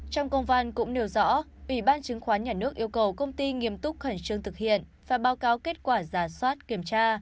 trong công văn cũng nêu rõ ủy ban chứng khoán nhà nước yêu cầu công ty nghiêm túc khẩn trương thực hiện và báo cáo kết quả giả soát kiểm tra